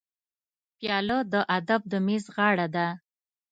پیاله د ادب د میز غاړه ده.